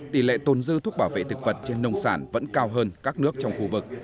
tỷ lệ tồn dư thuốc bảo vệ thực vật trên nông sản vẫn cao hơn các nước trong khu vực